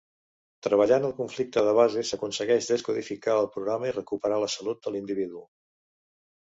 Treballant el conflicte de base s’aconsegueix descodificar el programa i recuperar la salut de l’individu.